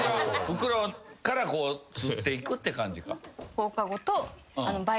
袋から吸っていくって感じか。